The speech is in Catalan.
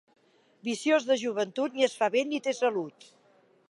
Viciós de joventut ni es fa vell ni té salut.